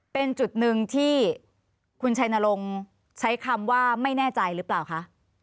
เป็นจุดหนึ่งที่คุณชัยนรงค์ใช้คำว่าไม่แน่ใจหรือเปล่าคะ